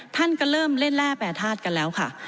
ท่านก็เริ่มเล่นแร่แปรทาสกันแล้วค่ะ